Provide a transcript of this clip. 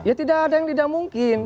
ya tidak ada yang tidak mungkin